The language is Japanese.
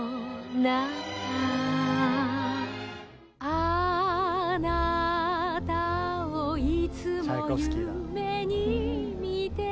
「あなたをいつも夢に見て」